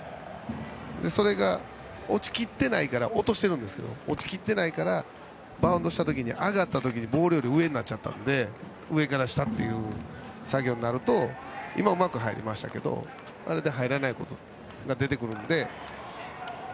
それが落としてますが落ちきってないからバウンドした時に上がった時にボールより上になっちゃったので上から下という作業になると今はうまく入りましたけどあれで、入らないことも出てくるので。